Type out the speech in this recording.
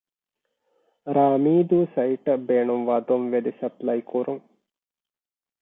ރ.މީދޫ ސައިޓަށް ބޭނުންވާ ދޮންވެލި ސަޕްލައިކުރުން